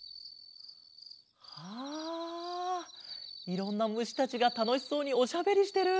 あいろんなむしたちがたのしそうにおしゃべりしてる！